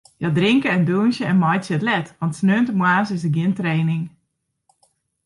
Hja drinke en dûnsje en meitsje it let, want sneintemoarns is der gjin training.